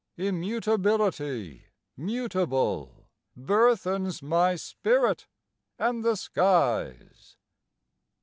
Immutability mutable Burthens my spirit and the skies.